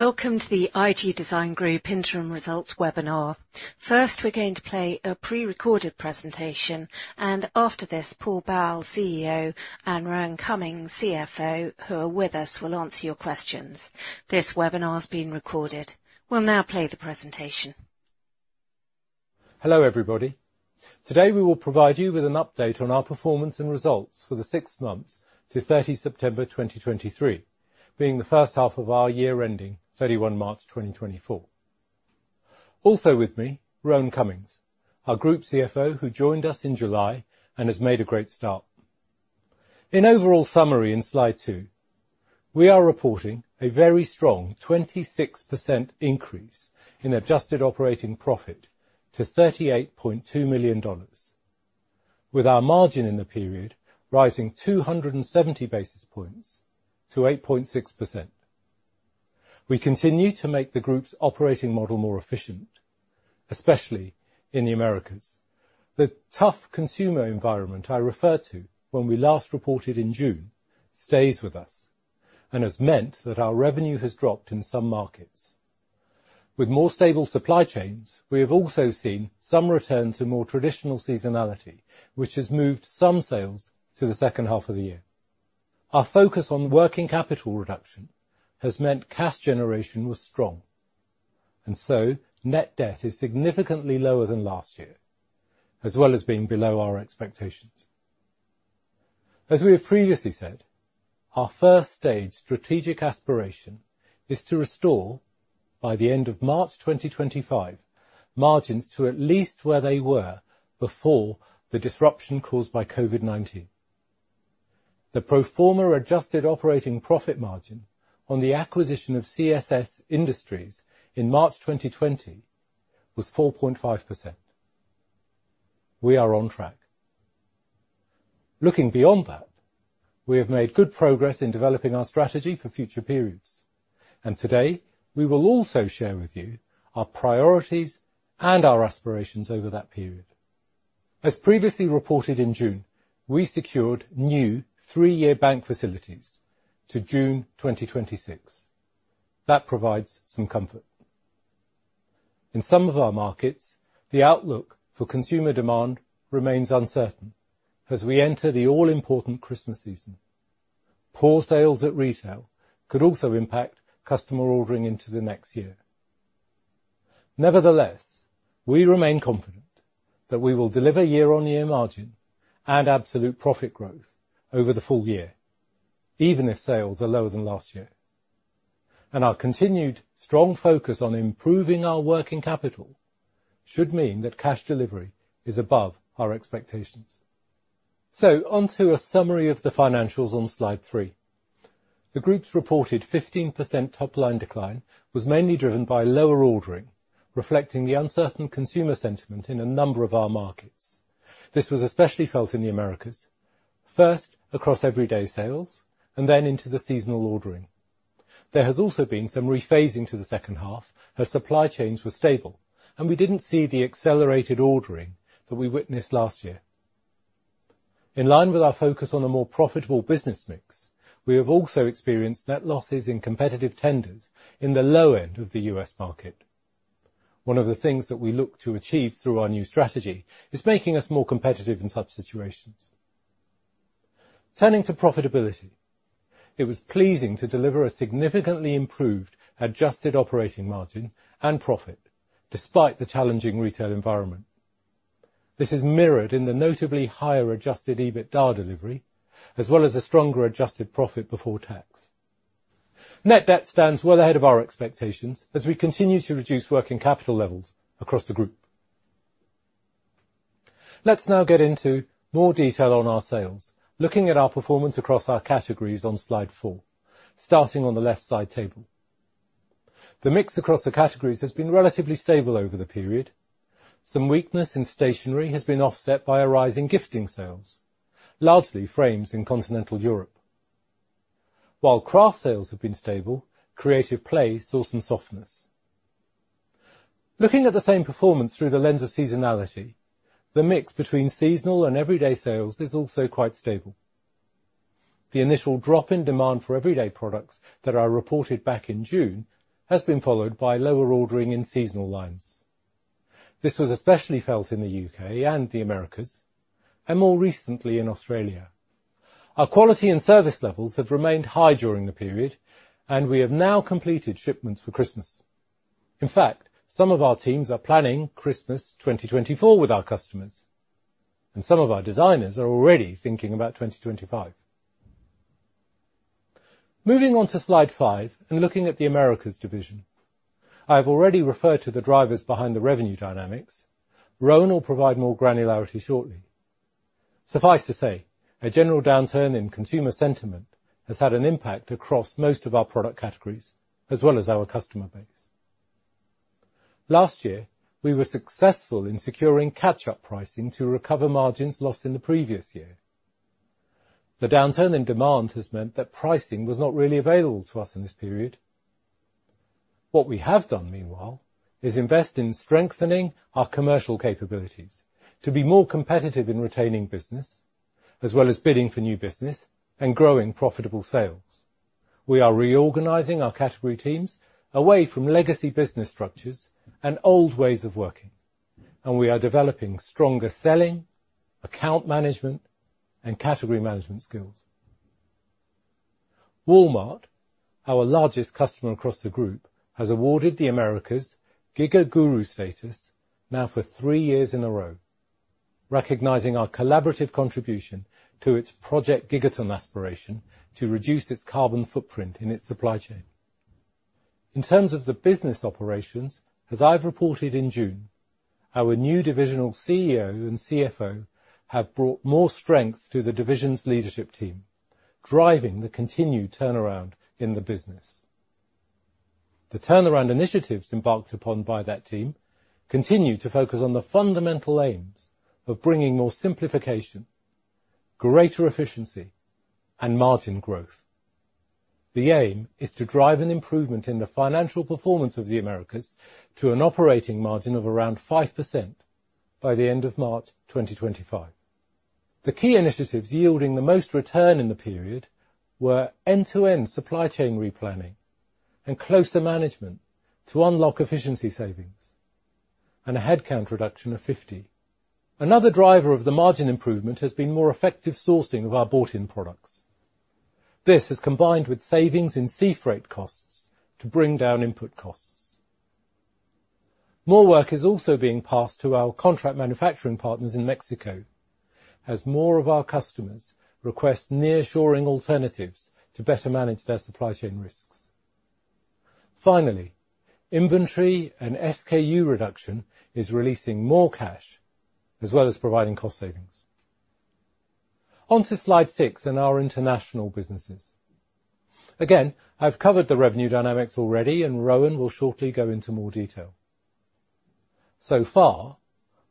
Welcome to the IG Design Group Interim Results Webinar. First, we're going to play a prerecorded presentation, and after this, Paul Bal, CEO, and Rohan Cummings, CFO, who are with us, will answer your questions. This webinar is being recorded. We'll now play the presentation. Hello, everybody. Today, we will provide you with an update on our performance and results for the six months to September 30, 2023, being the first half of our year ending March 31, 2024. Also with me, Rohan Cummings, our Group CFO, who joined us in July and has made a great start. In overall summary, in Slide two, we are reporting a very strong 26% increase in adjusted operating profit to $38.2 million, with our margin in the period rising 270 basis points to 8.6%. We continue to make the group's operating model more efficient, especially in the Americas. The tough consumer environment I referred to when we last reported in June, stays with us and has meant that our revenue has dropped in some markets. With more stable supply chains, we have also seen some return to more traditional seasonality, which has moved some sales to the second half of the year. Our focus on working capital reduction has meant cash generation was strong, and so Net Debt is significantly lower than last year, as well as being below our expectations. As we have previously said, our first stage strategic aspiration is to restore, by the end of March 2025, margins to at least where they were before the disruption caused by COVID-19. The pro forma Adjusted Operating Profit margin on the acquisition of CSS Industries in March 2020 was 4.5%. We are on track. Looking beyond that, we have made good progress in developing our strategy for future periods, and today, we will also share with you our priorities and our aspirations over that period. As previously reported in June, we secured new three-year bank facilities to June 2026. That provides some comfort. In some of our markets, the outlook for consumer demand remains uncertain as we enter the all-important Christmas season. Poor sales at retail could also impact customer ordering into the next year. Nevertheless, we remain confident that we will deliver year-on-year margin and absolute profit growth over the full year, even if sales are lower than last year. Our continued strong focus on improving our working capital should mean that cash delivery is above our expectations. On to a summary of the financials on Slide three. The group's reported 15% top-line decline was mainly driven by lower ordering, reflecting the uncertain consumer sentiment in a number of our markets. This was especially felt in the Americas, first, across everyday sales, and then into the seasonal ordering. There has also been some rephasing to the second half as supply chains were stable, and we didn't see the accelerated ordering that we witnessed last year. In line with our focus on a more profitable business mix, we have also experienced net losses in competitive tenders in the low end of the U.S. market. One of the things that we look to achieve through our new strategy is making us more competitive in such situations. Turning to profitability, it was pleasing to deliver a significantly improved adjusted operating margin and profit, despite the challenging retail environment. This is mirrored in the notably higher adjusted EBITDA delivery, as well as a stronger adjusted profit before tax. Net debt stands well ahead of our expectations as we continue to reduce working capital levels across the group. Let's now get into more detail on our sales, looking at our performance across our categories on Slide four, starting on the left side table. The mix across the categories has been relatively stable over the period. Some weakness in stationery has been offset by a rise in gifting sales, largely frames in Continental Europe. While craft sales have been stable, creative play saw some softness. Looking at the same performance through the lens of seasonality, the mix between seasonal and everyday sales is also quite stable. The initial drop in demand for everyday products that are reported back in June has been followed by lower ordering in seasonal lines. This was especially felt in the U.K. and the Americas, and more recently in Australia. Our quality and service levels have remained high during the period, and we have now completed shipments for Christmas. In fact, some of our teams are planning Christmas 2024 with our customers, and some of our designers are already thinking about 2025. Moving on to Slide five and looking at the Americas division. I have already referred to the drivers behind the revenue dynamics. Rohan will provide more granularity shortly. Suffice to say, a general downturn in consumer sentiment has had an impact across most of our product categories as well as our customer base. Last year, we were successful in securing catch-up pricing to recover margins lost in the previous year. The downturn in demand has meant that pricing was not really available to us in this period. What we have done, meanwhile, is invest in strengthening our commercial capabilities to be more competitive in retaining business, as well as bidding for new business and growing profitable sales. We are reorganizing our category teams away from legacy business structures and old ways of working, and we are developing stronger selling, account management, and category management skills. Walmart, our largest customer across the group, has awarded the Americas Giga-Guru status now for three years in a row, recognizing our collaborative contribution to its Project Gigaton aspiration to reduce its carbon footprint in its supply chain. In terms of the business operations, as I've reported in June, our new divisional CEO and CFO have brought more strength to the division's leadership team, driving the continued turnaround in the business. The turnaround initiatives embarked upon by that team continue to focus on the fundamental aims of bringing more simplification, greater efficiency, and margin growth. The aim is to drive an improvement in the financial performance of the Americas to an operating margin of around 5% by the end of March 2025. The key initiatives yielding the most return in the period were end-to-end supply chain replanning and closer management to unlock efficiency savings, and a headcount reduction of 50. Another driver of the margin improvement has been more effective sourcing of our bought-in products. This has combined with savings in sea freight costs to bring down input costs. More work is also being passed to our contract manufacturing partners in Mexico, as more of our customers request nearshoring alternatives to better manage their supply chain risks. Finally, inventory and SKU reduction is releasing more cash, as well as providing cost savings. On to Slide six in our international businesses. Again, I've covered the revenue dynamics already, and Rohan will shortly go into more detail. So far,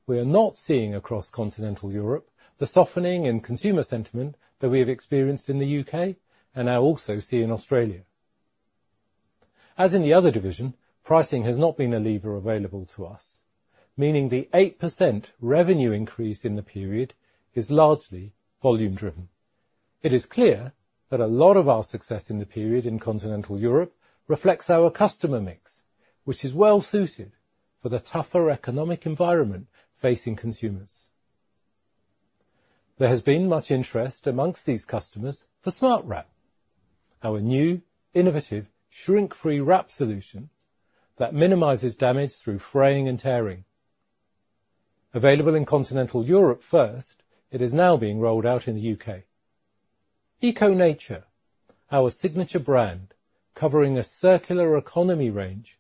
we are not seeing across Continental Europe the softening in consumer sentiment that we have experienced in the U.K. and now also see in Australia. As in the other division, pricing has not been a lever available to us, meaning the 8% revenue increase in the period is largely volume driven. It is clear that a lot of our success in the period in Continental Europe reflects our customer mix, which is well suited for the tougher economic environment facing consumers. There has been much interest amongst these customers for Smart Wrap, our new innovative shrink-free wrap solution that minimizes damage through fraying and tearing. Available in Continental Europe first, it is now being rolled out in the U.K. EcoNature, our signature brand, covering a circular economy range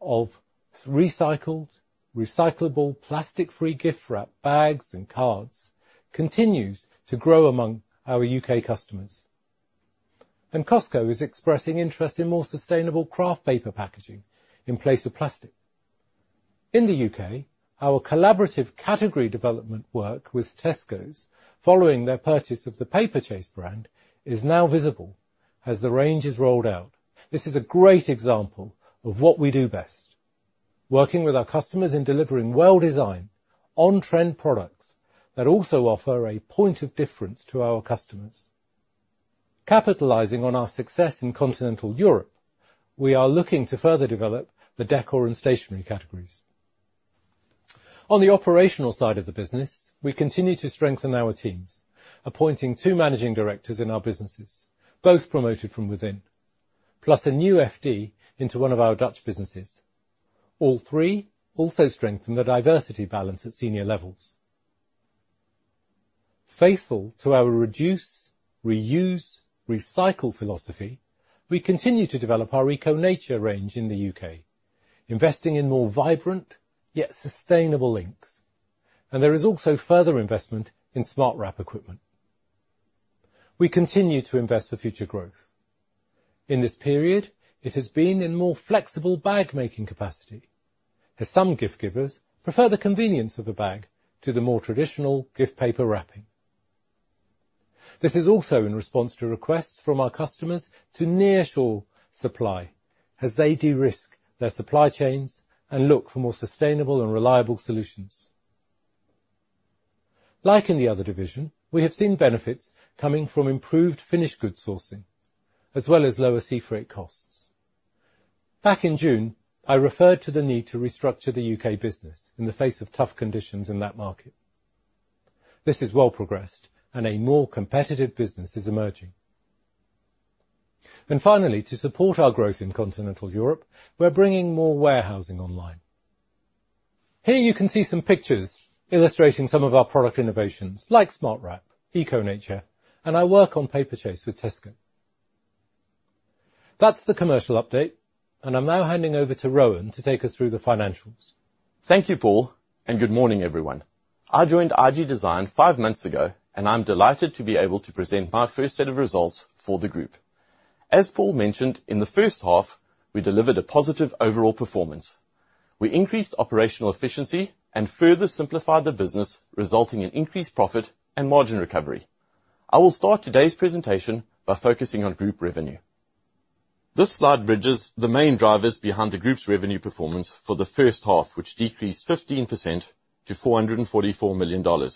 of recycled, recyclable, plastic-free gift wrap bags and cards, continues to grow among our U.K. customers. Costco is expressing interest in more sustainable craft paper packaging in place of plastic. In the U.K., our collaborative category development work with Tesco's, following their purchase of the Paperchase brand, is now visible as the range is rolled out. This is a great example of what we do best: working with our customers in delivering well-designed, on-trend products that also offer a point of difference to our customers. Capitalizing on our success in Continental Europe, we are looking to further develop the decor and stationery categories. On the operational side of the business, we continue to strengthen our teams, appointing two managing directors in our businesses, both promoted from within, plus a new FD into one of our Dutch businesses. All three also strengthen the diversity balance at senior levels. Faithful to our reduce, reuse, recycle philosophy, we continue to develop our EcoNature range in the UK, investing in more vibrant yet sustainable inks, and there is also further investment in Smart Wrap equipment. We continue to invest for future growth. In this period, it has been in more flexible bag-making capacity, as some gift givers prefer the convenience of a bag to the more traditional gift paper wrapping. This is also in response to requests from our customers to nearshore supply as they de-risk their supply chains and look for more sustainable and reliable solutions. Like in the other division, we have seen benefits coming from improved finished good sourcing as well as lower sea freight costs. Back in June, I referred to the need to restructure the U.K. business in the face of tough conditions in that market. This is well progressed and a more competitive business is emerging. And finally, to support our growth in Continental Europe, we're bringing more warehousing online. Here you can see some pictures illustrating some of our product innovations, like SMARTWRAP, EcoNature, and our work on Paperchase with Tesco. That's the commercial update, and I'm now handing over to Rohan to take us through the financials. Thank you, Paul, and good morning, everyone. I joined IG Design five months ago, and I'm delighted to be able to present my first set of results for the group. As Paul mentioned, in the first half, we delivered a positive overall performance. We increased operational efficiency and further simplified the business, resulting in increased profit and margin recovery. I will start today's presentation by focusing on group revenue. This slide bridges the main drivers behind the group's revenue performance for the first half, which decreased 15% to $444 million.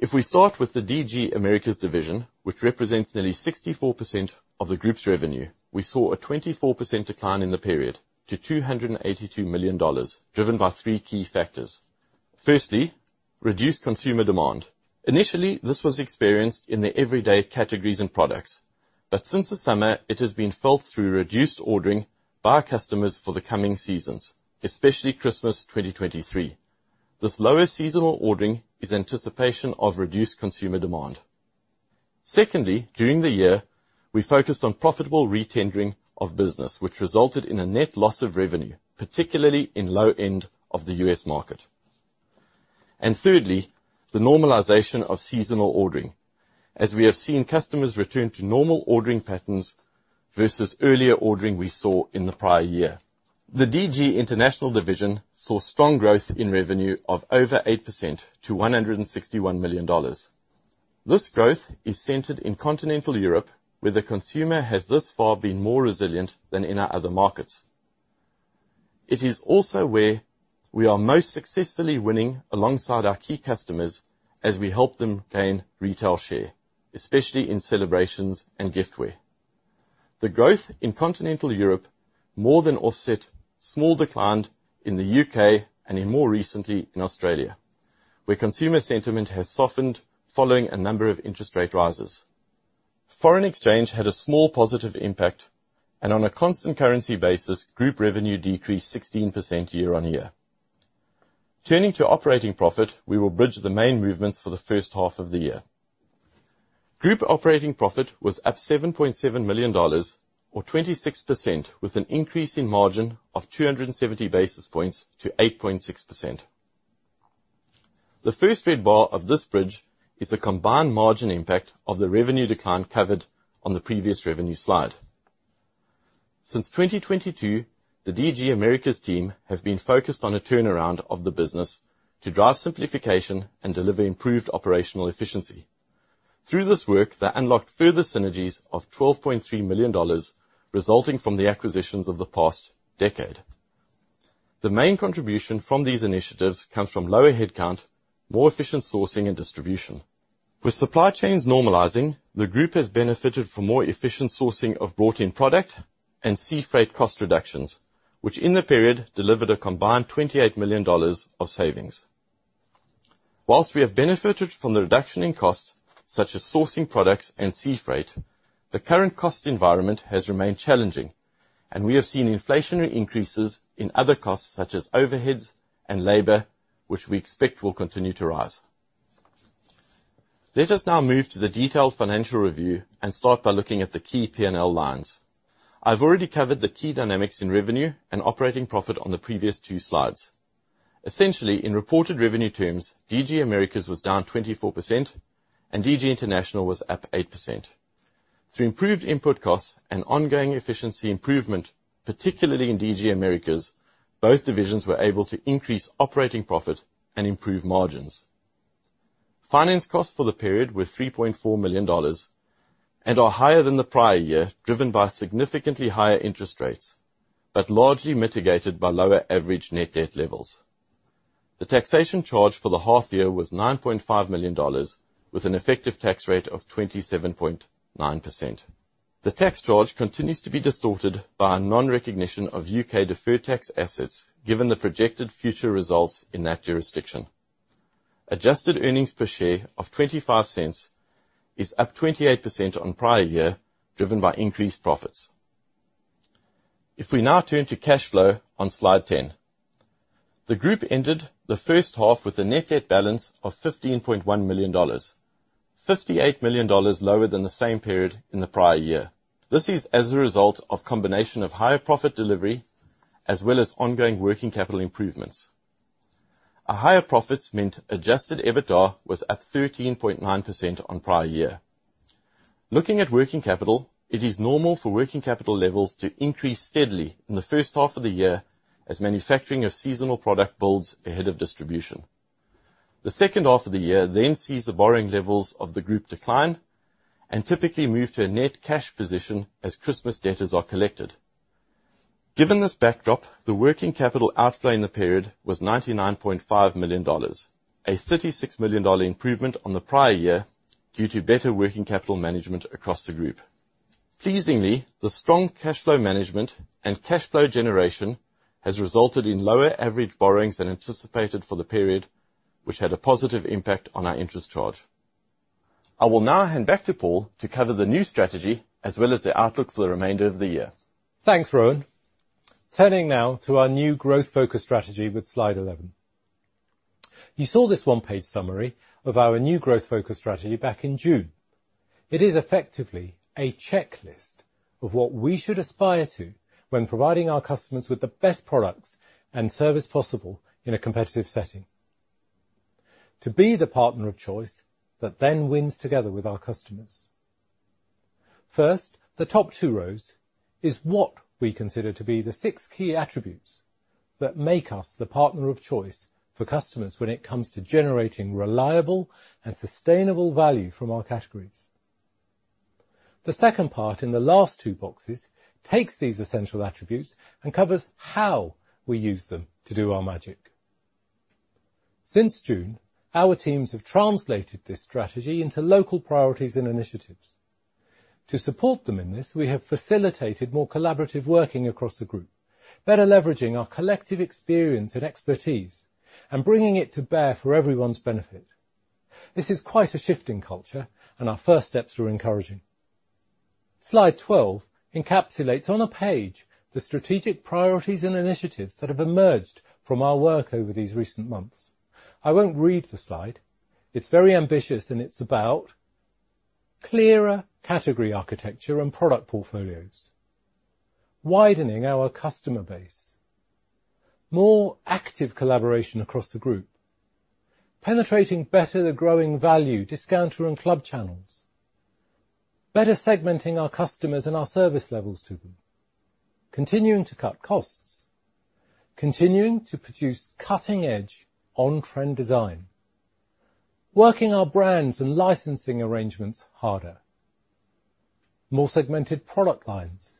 If we start with the DG Americas division, which represents nearly 64% of the group's revenue, we saw a 24% decline in the period to $282 million, driven by three key factors: firstly, reduced consumer demand. Initially, this was experienced in the everyday categories and products, but since the summer, it has been felt through reduced ordering by our customers for the coming seasons, especially Christmas 2023. This lower seasonal ordering is anticipation of reduced consumer demand. Secondly, during the year, we focused on profitable re-tendering of business, which resulted in a net loss of revenue, particularly in low end of the U.S. market. Thirdly, the normalization of seasonal ordering, as we have seen customers return to normal ordering patterns versus earlier ordering we saw in the prior year. The DG International division saw strong growth in revenue of over 8% to $161 million. This growth is centered in Continental Europe, where the consumer has thus far been more resilient than in our other markets. It is also where we are most successfully winning alongside our key customers as we help them gain retail share, especially in celebrations and giftware. The growth in Continental Europe more than offset small decline in the U.K. and, more recently, in Australia, where consumer sentiment has softened following a number of interest rate rises. Foreign exchange had a small positive impact, and on a constant currency basis, group revenue decreased 16% year-on-year. Turning to operating profit, we will bridge the main movements for the first half of the year. Group operating profit was up $7.7 million, or 26%, with an increase in margin of 270 basis points to 8.6%. The first red bar of this bridge is a combined margin impact of the revenue decline covered on the previous revenue slide. Since 2022, the DG Americas team have been focused on a turnaround of the business to drive simplification and deliver improved operational efficiency. Through this work, they unlocked further synergies of $12.3 million, resulting from the acquisitions of the past decade. The main contribution from these initiatives comes from lower headcount, more efficient sourcing and distribution. With supply chains normalizing, the group has benefited from more efficient sourcing of brought-in product and sea freight cost reductions, which in the period delivered a combined $28 million of savings. While we have benefited from the reduction in costs, such as sourcing products and sea freight, the current cost environment has remained challenging, and we have seen inflationary increases in other costs, such as overheads and labor, which we expect will continue to rise. Let us now move to the detailed financial review and start by looking at the key P&L lines. I've already covered the key dynamics in revenue and operating profit on the previous two slides. Essentially, in reported revenue terms, DG Americas was down 24% and DG International was up 8%. Through improved input costs and ongoing efficiency improvement, particularly in DG Americas, both divisions were able to increase operating profit and improve margins. Finance costs for the period were $3.4 million and are higher than the prior year, driven by significantly higher interest rates, but largely mitigated by lower average net debt levels. The taxation charge for the half year was $9.5 million, with an effective tax rate of 27.9%. The tax charge continues to be distorted by a non-recognition of U.K. deferred tax assets, given the projected future results in that jurisdiction. Adjusted earnings per share of $0.25 is up 28% on prior year, driven by increased profits. If we now turn to cash flow on slide 10, the group ended the first half with a net debt balance of $15.1 million, $58 million lower than the same period in the prior year. This is as a result of combination of higher profit delivery, as well as ongoing working capital improvements. A higher profits meant Adjusted EBITDA was up 13.9% on prior year. Looking at working capital, it is normal for working capital levels to increase steadily in the first half of the year as manufacturing of seasonal product builds ahead of distribution. The second half of the year then sees the borrowing levels of the group decline and typically move to a net cash position as Christmas debtors are collected. Given this backdrop, the working capital outflow in the period was $99.5 million, a $36 million improvement on the prior year due to better working capital management across the group. Pleasingly, the strong cash flow management and cash flow generation has resulted in lower average borrowings than anticipated for the period, which had a positive impact on our interest charge. I will now hand back to Paul to cover the new strategy as well as the outlook for the remainder of the year. Thanks, Rohan. Turning now to our new growth-focused strategy with slide 11. You saw this one-page summary of our new growth-focused strategy back in June. It is effectively a checklist of what we should aspire to when providing our customers with the best products and service possible in a competitive setting. To be the partner of choice that then wins together with our customers. First, the top two rows is what we consider to be the six key attributes that make us the partner of choice for customers when it comes to generating reliable and sustainable value from our categories. The second part, in the last two boxes, takes these essential attributes and covers how we use them to do our magic. Since June, our teams have translated this strategy into local priorities and initiatives. To support them in this, we have facilitated more collaborative working across the group, better leveraging our collective experience and expertise, and bringing it to bear for everyone's benefit. This is quite a shift in culture, and our first steps are encouraging. Slide 12 encapsulates, on a page, the strategic priorities and initiatives that have emerged from our work over these recent months. I won't read the slide. It's very ambitious, and it's about clearer category architecture and product portfolios, widening our customer base, more active collaboration across the group, penetrating better the growing value, discounter and club channels, better segmenting our customers and our service levels to them, continuing to cut costs, continuing to produce cutting-edge, on-trend design, working our brands and licensing arrangements harder, more segmented product lines,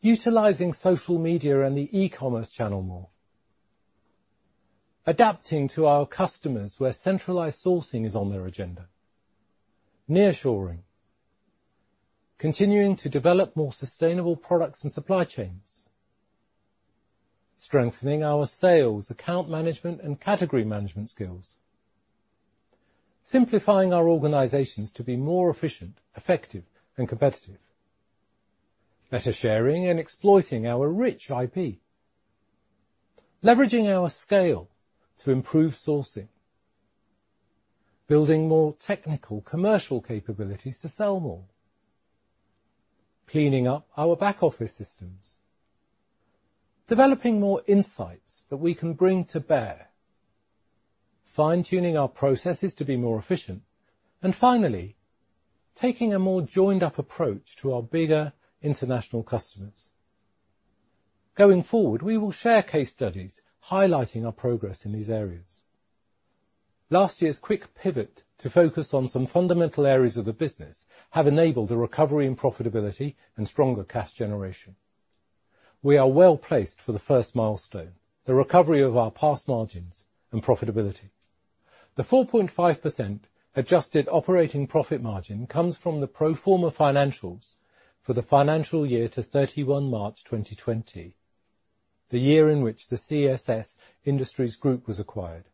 utilizing social media and the e-commerce channel more, adapting to our customers where centralized sourcing is on their agenda, nearshoring, continuing to develop more sustainable products and supply chains, strengthening our sales, account management, and category management skills, simplifying our organizations to be more efficient, effective, and competitive, better sharing and exploiting our rich IP, leveraging our scale to improve sourcing, building more technical commercial capabilities to sell more, cleaning up our back office systems, developing more insights that we can bring to bear, fine-tuning our processes to be more efficient, and finally, taking a more joined-up approach to our bigger international customers. Going forward, we will share case studies highlighting our progress in these areas. Last year's quick pivot to focus on some fundamental areas of the business have enabled a recovery in profitability and stronger cash generation. We are well-placed for the first milestone, the recovery of our past margins and profitability. The 4.5% adjusted operating profit margin comes from the pro forma financials for the financial year to March 31, 2020, the year in which the CSS Industries was acquired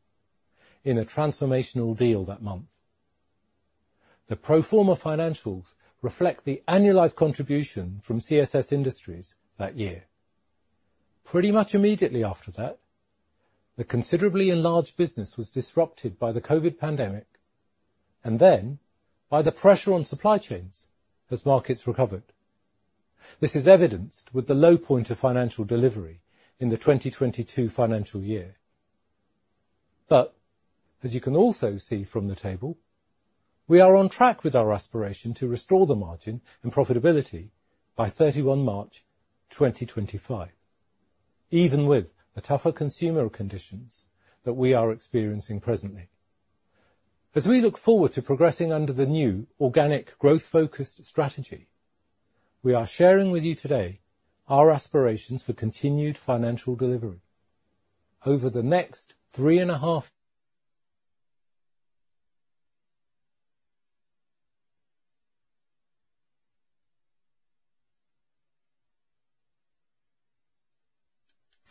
in a transformational deal that month. The pro forma financials reflect the annualized contribution from CSS Industries that year. Pretty much immediately after that, the considerably enlarged business was disrupted by the COVID pandemic, and then by the pressure on supply chains as markets recovered. This is evidenced with the low point of financial delivery in the 2022 financial year. As you can also see from the table, we are on track with our aspiration to restore the margin and profitability by March 31, 2025, even with the tougher consumer conditions that we are experiencing presently. As we look forward to progressing under the new organic growth-focused strategy, we are sharing with you today our aspirations for continued financial delivery. Over the next 3.5-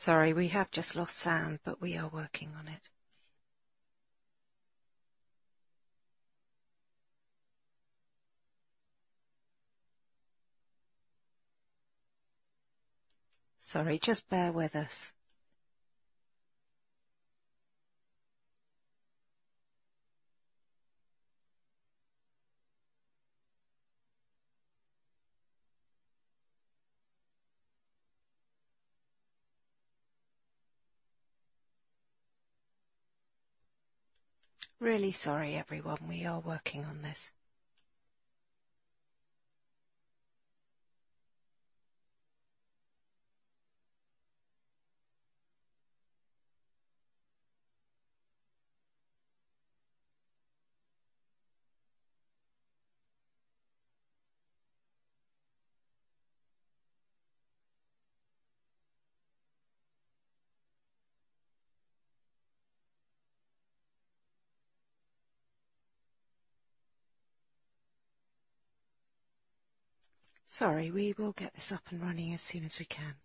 Sorry, we have just lost sound, but we are working on it. Sorry, just bear with us. Really sorry, everyone. We are working on this. Sorry, we will get this up and running as soon as we can.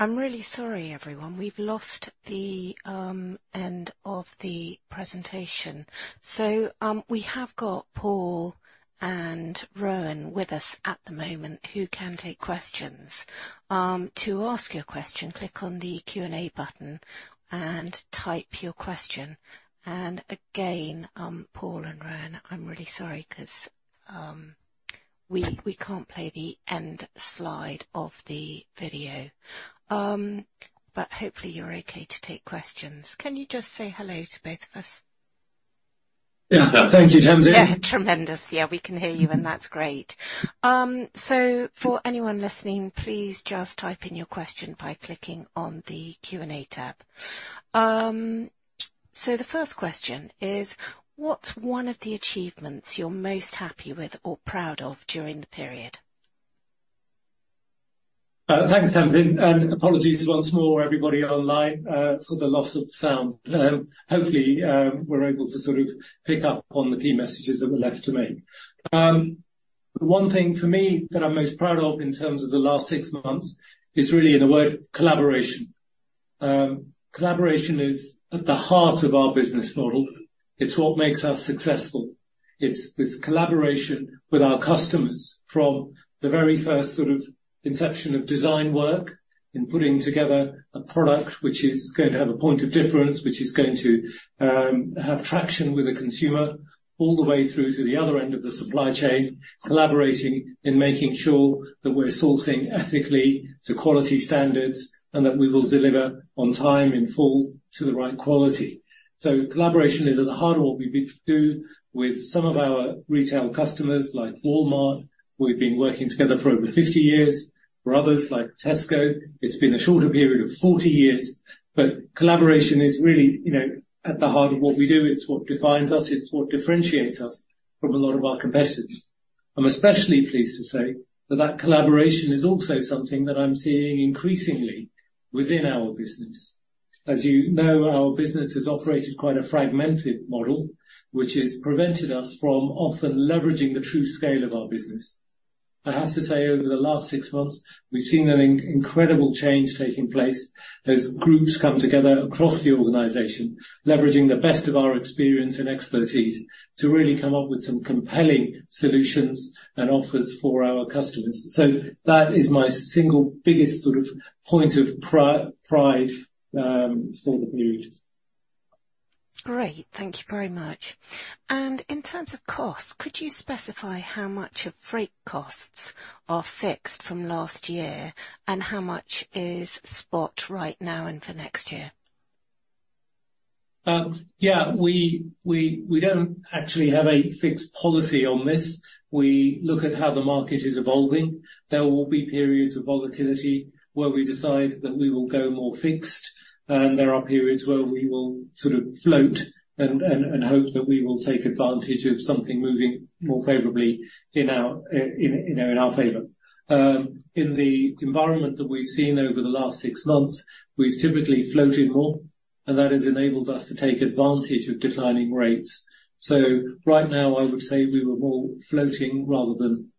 I'm really sorry, everyone. We've lost the end of the presentation. We have got Paul and Rohan with us at the moment who can take questions. To ask your question, click on the Q&A button and type your question. Again, Paul and Rohan, I'm really sorry, 'cause we can't play the end slide of the video. But hopefully you're okay to take questions. Can you just say hello to both of us? Yeah. Thank you, Tamsin. Tremendous. Yeah, we can hear you, and that's great. For anyone listening, please just type in your question by clicking on the Q&A tab. The first question is: What's one of the achievements you're most happy with or proud of during the period? Thanks, Tamsin, and apologies once more, everybody online, for the loss of sound. Hopefully, we're able to sort of pick up on the key messages that we're left to make. The one thing for me that I'm most proud of in terms of the last six months is really, in a word, collaboration. Collaboration is at the heart of our business model. It's what makes us successful. It's this collaboration with our customers from the very first sort of inception of design work, in putting together a product which is going to have a point of difference, which is going to have traction with the consumer, all the way through to the other end of the supply chain, collaborating in making sure that we're sourcing ethically to quality standards, and that we will deliver on time, in full, to the right quality. So collaboration is at the heart of what we do with some of our retail customers, like Walmart. We've been working together for over 50 years. For others, like Tesco, it's been a shorter period of 40 years. But collaboration is really, you know, at the heart of what we do. It's what defines us. It's what differentiates us from a lot of our competitors. I'm especially pleased to say that that collaboration is also something that I'm seeing increasingly within our business. As you know, our business has operated quite a fragmented model, which has prevented us from often leveraging the true scale of our business. I have to say, over the last six months, we've seen an incredible change taking place as groups come together across the organization, leveraging the best of our experience and expertise to really come up with some compelling solutions and offers for our customers. So that is my single biggest sort of point of pride, for the period. Great, thank you very much. In terms of cost, could you specify how much of freight costs are fixed from last year, and how much is spot right now and for next year? Yeah, we don't actually have a fixed policy on this. We look at how the market is evolving. There will be periods of volatility where we decide that we will go more fixed, and there are periods where we will sort of float and hope that we will take advantage of something moving more favorably in our, you know, in our favor. In the environment that we've seen over the last six months, we've typically floated more, and that has enabled us to take advantage of declining rates. So right now, I would say we were more floating rather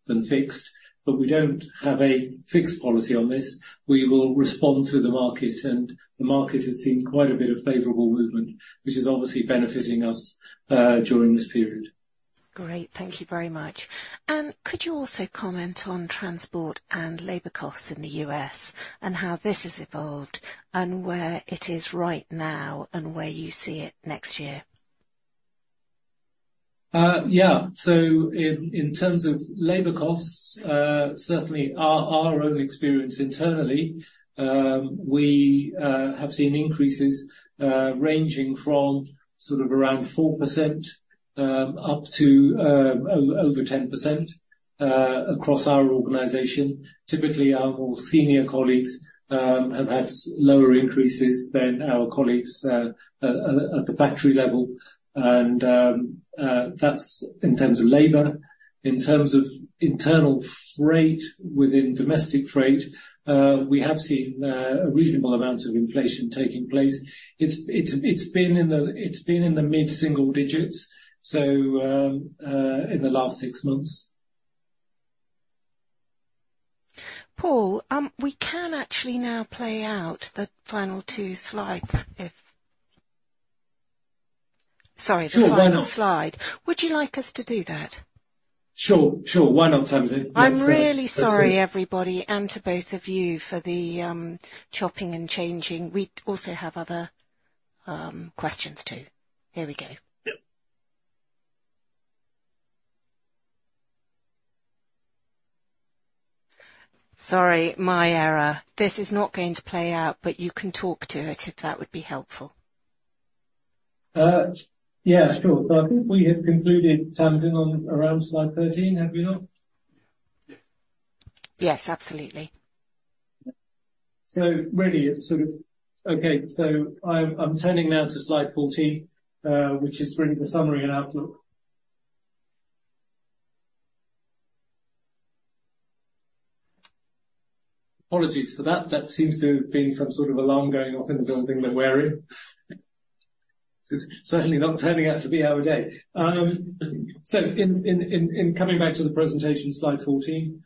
than fixed, but we don't have a fixed policy on this. We will respond to the market, and the market has seen quite a bit of favorable movement, which is obviously benefiting us during this period. Great. Thank you very much. Could you also comment on transport and labor costs in the U.S., and how this has evolved and where it is right now and where you see it next year? Yeah. So in terms of labor costs, certainly our own experience internally, we have seen increases ranging from sort of around 4%, up to over 10%, across our organization. Typically, our more senior colleagues have had lower increases than our colleagues at the factory level, and that's in terms of labor. In terms of internal freight, within domestic freight, we have seen a reasonable amount of inflation taking place. It's been in the mid-single digits, so in the last six months. Paul, we can actually now play out the final two slides, if... Sorry- Sure, why not? The final slide. Would you like us to do that? Sure, sure. Why not, Tamsin? I'm really sorry, everybody, and to both of you for the chopping and changing. We also have other questions, too. Here we go. Yep. Sorry, my error. This is not going to play out, but you can talk to it if that would be helpful. Yeah, sure. But I think we have concluded, Tamsin, on around slide 13, have we not? Yes. Yes, absolutely. So really, it's sort of. Okay, so I'm turning now to slide 14, which is really the summary and outlook. Apologies for that. That seems to have been some sort of alarm going off in the building that we're in. It's certainly not turning out to be our day. So, coming back to the presentation, slide 14.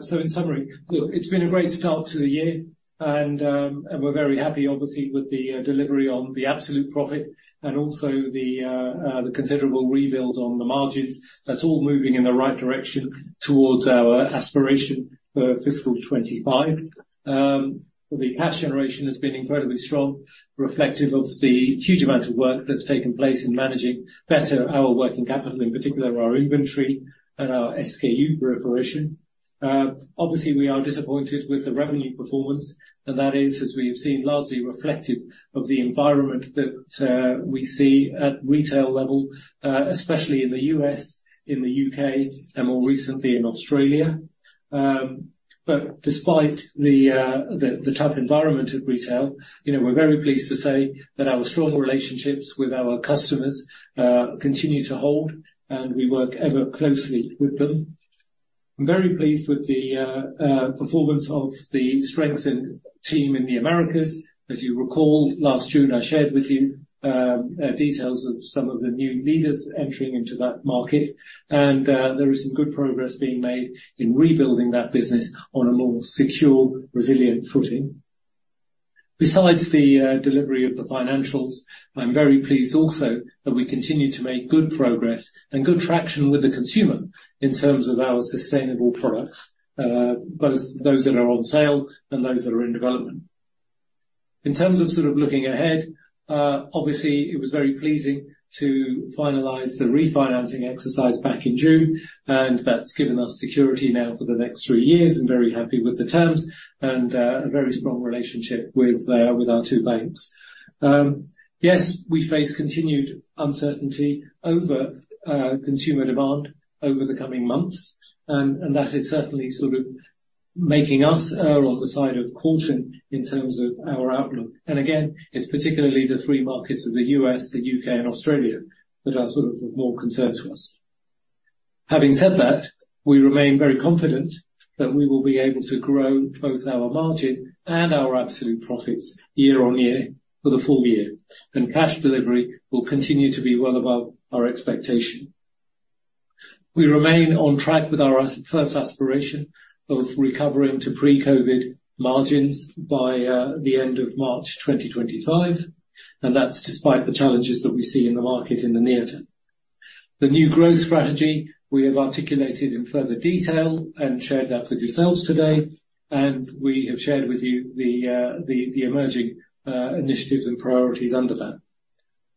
So in summary, look, it's been a great start to the year, and we're very happy, obviously, with the delivery on the absolute profit and also the considerable rebuild on the margins. That's all moving in the right direction towards our aspiration for fiscal 2025. The cash generation has been incredibly strong, reflective of the huge amount of work that's taken place in managing better our working capital, in particular, our inventory and our SKU proliferation. Obviously, we are disappointed with the revenue performance, and that is, as we have seen, largely reflective of the environment that we see at retail level, especially in the U.S., in the U.K., and more recently, in Australia. But despite the tough environment of retail, you know, we're very pleased to say that our strong relationships with our customers continue to hold, and we work ever closely with them. I'm very pleased with the performance of the strengthened team in the Americas. As you recall, last June, I shared with you details of some of the new leaders entering into that market, and there is some good progress being made in rebuilding that business on a more secure, resilient footing. Besides the delivery of the financials, I'm very pleased also that we continue to make good progress and good traction with the consumer in terms of our sustainable products, both those that are on sale and those that are in development. In terms of sort of looking ahead, obviously, it was very pleasing to finalize the refinancing exercise back in June, and that's given us security now for the next three years. I'm very happy with the terms and a very strong relationship with our two banks. Yes, we face continued uncertainty over consumer demand over the coming months, and that is certainly sort of making us err on the side of caution in terms of our outlook. And again, it's particularly the three markets of the U.S., the U.K., and Australia that are sort of more concern to us. Having said that, we remain very confident that we will be able to grow both our margin and our absolute profits year on year for the full year, and cash delivery will continue to be well above our expectation. We remain on track with our first aspiration of recovering to pre-COVID margins by the end of March 2025, and that's despite the challenges that we see in the market in the near term. The new growth strategy we have articulated in further detail and shared that with yourselves today, and we have shared with you the emerging initiatives and priorities under that.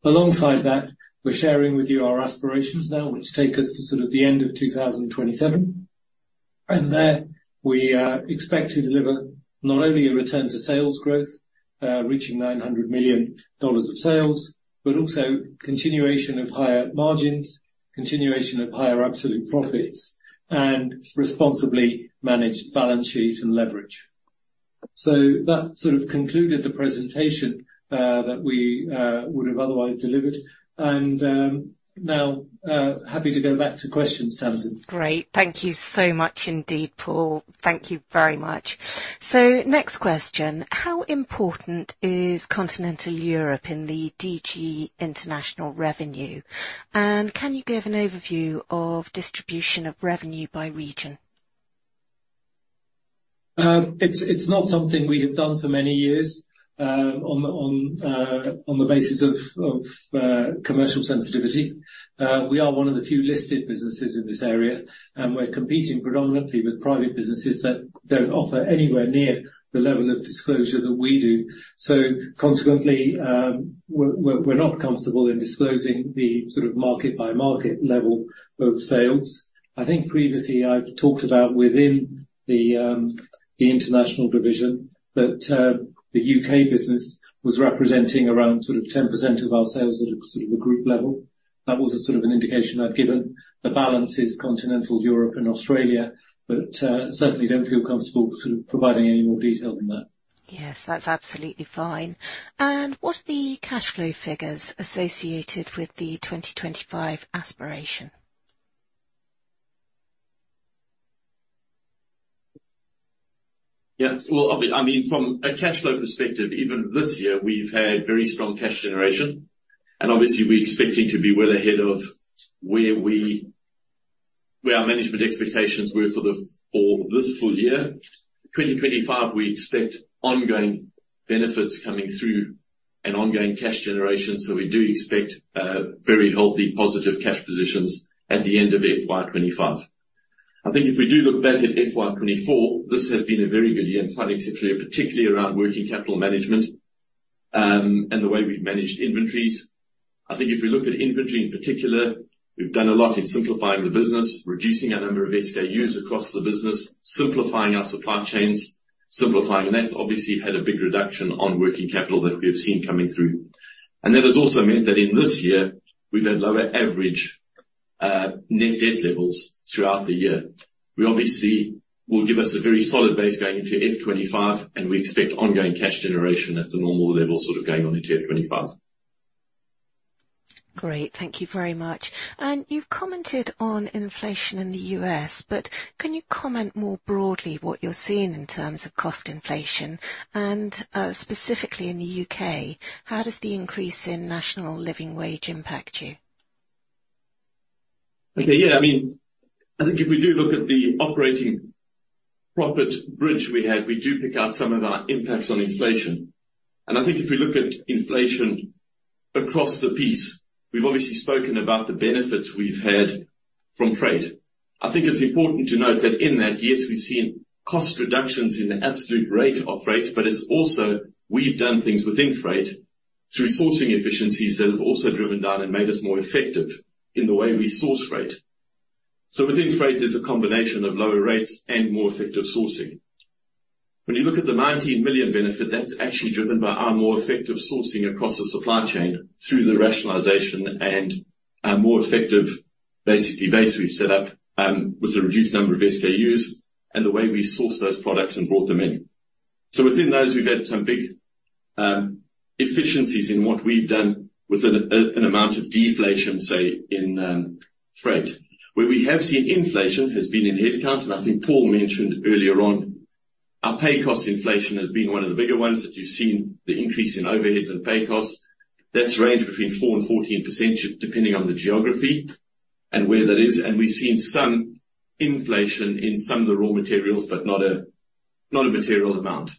Alongside that, we're sharing with you our aspirations now, which take us to sort of the end of 2027, and there we expect to deliver not only a return to sales growth, reaching $900 million of sales, but also continuation of higher margins, continuation of higher absolute profits, and responsibly managed balance sheet and leverage. So that sort of concluded the presentation, that we would have otherwise delivered, and, now, happy to go back to questions, Tamsin. Great. Thank you so much indeed, Paul. Thank you very much. Next question: How important is Continental Europe in the DG International revenue? And can you give an overview of distribution of revenue by region? It's not something we have done for many years, on the basis of commercial sensitivity. We are one of the few listed businesses in this area, and we're competing predominantly with private businesses that don't offer anywhere near the level of disclosure that we do. So consequently, we're not comfortable in disclosing the sort of market-by-market level of sales. I think previously, I've talked about within the international division, that the U.K. business was representing around sort of 10% of our sales at a sort of a group level. That was a sort of an indication I'd given. The balance is Continental Europe and Australia, but certainly don't feel comfortable sort of providing any more detail than that. Yes, that's absolutely fine. What are the cash flow figures associated with the 2025 aspiration? Yeah. Well, I mean, from a cash flow perspective, even this year, we've had very strong cash generation, and obviously, we're expecting to be well ahead of where our management expectations were for this full year. 2025, we expect ongoing benefits coming through and ongoing cash generation, so we do expect very healthy, positive cash positions at the end of FY 2025. I think if we do look back at FY 2024, this has been a very good year in planning, particularly around working capital management, and the way we've managed inventories. I think if we look at inventory in particular, we've done a lot in simplifying the business, reducing our number of SKUs across the business, simplifying our supply chains, simplifying. And that's obviously had a big reduction on working capital that we've seen coming through. That has also meant that in this year, we've had lower average Net Debt levels throughout the year. We obviously will give us a very solid base going into FY 2025, and we expect ongoing cash generation at a normal level, sort of going on into 2025. Great. Thank you very much. And you've commented on inflation in the U.S., but can you comment more broadly what you're seeing in terms of cost inflation? And, specifically in the U.K., how does the increase in national living wage impact you? Okay. Yeah, I mean, I think if we do look at the operating profit bridge we had, we do pick out some of our impacts on inflation. And I think if we look at inflation across the piece, we've obviously spoken about the benefits we've had from freight. I think it's important to note that in that, yes, we've seen cost reductions in the absolute rate of freight, but it's also we've done things within freight through sourcing efficiencies that have also driven down and made us more effective in the way we source freight. So within freight, there's a combination of lower rates and more effective sourcing. When you look at the $19 million benefit, that's actually driven by our more effective sourcing across the supply chain through the rationalization and a more effective basic device we've set up with the reduced number of SKUs and the way we source those products and brought them in. So within those, we've had some big efficiencies in what we've done with an amount of deflation, say, in freight. Where we have seen inflation has been in headcount, and I think Paul mentioned earlier on, our pay cost inflation has been one of the bigger ones, that you've seen the increase in overheads and pay costs. That's ranged between 4%-14%, depending on the geography and where that is, and we've seen some inflation in some of the raw materials, but not a material amount.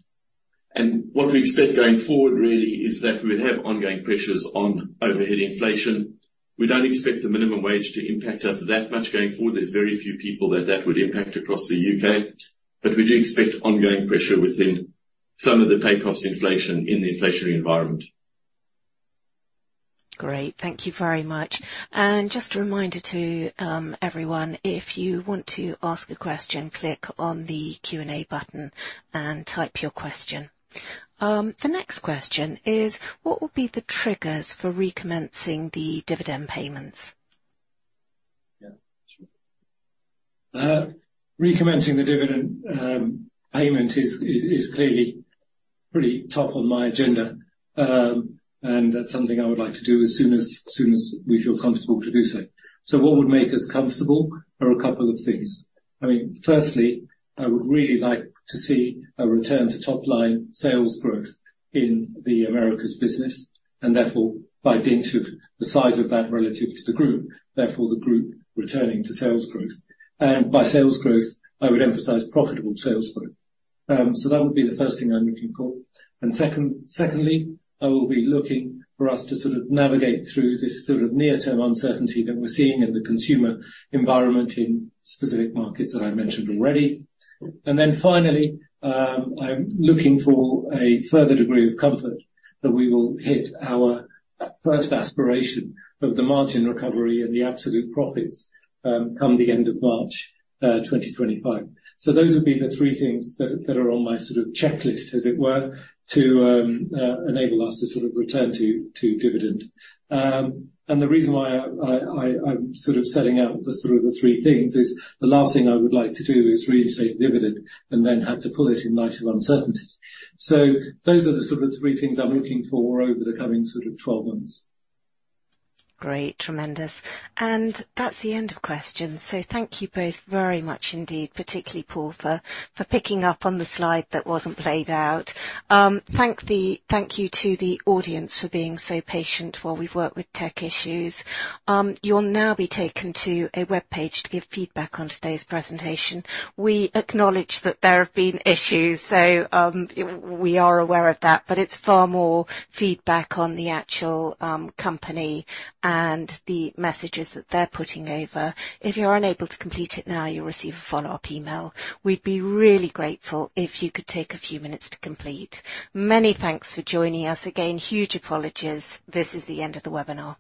What we expect going forward really is that we have ongoing pressures on overhead inflation. We don't expect the minimum wage to impact us that much going forward. There's very few people that that would impact across the U.K., but we do expect ongoing pressure within some of the pay cost inflation in the inflationary environment. Great. Thank you very much. And just a reminder to, everyone, if you want to ask a question, click on the Q&A button and type your question. The next question is: What will be the triggers for recommencing the dividend payments? Yeah, sure. Recommencing the dividend payment is clearly pretty top on my agenda, and that's something I would like to do as soon as we feel comfortable to do so. So what would make us comfortable are a couple of things. I mean, firstly, I would really like to see a return to top-line sales growth in the Americas business, and therefore, by being to the size of that relative to the group, therefore the group returning to sales growth. And by sales growth, I would emphasize profitable sales growth. So that would be the first thing I'm looking for. And second, secondly, I will be looking for us to sort of navigate through this sort of near-term uncertainty that we're seeing in the consumer environment in specific markets that I mentioned already. Then finally, I'm looking for a further degree of comfort that we will hit our first aspiration of the margin recovery and the absolute profits, come the end of March 2025. So those would be the three things that are on my sort of checklist, as it were, to enable us to sort of return to dividend. And the reason why I, I'm sort of setting out the sort of the three things is the last thing I would like to do is reinstate dividend and then have to pull it in light of uncertainty. So those are the sort of three things I'm looking for over the coming sort of 12 months. Great. Tremendous. And that's the end of questions. So thank you both very much indeed, particularly Paul, for picking up on the slide that wasn't played out. Thank you to the audience for being so patient while we've worked with tech issues. You'll now be taken to a web page to give feedback on today's presentation. We acknowledge that there have been issues, so we are aware of that, but it's far more feedback on the actual company and the messages that they're putting over. If you're unable to complete it now, you'll receive a follow-up email. We'd be really grateful if you could take a few minutes to complete. Many thanks for joining us. Again, huge apologies. This is the end of the webinar.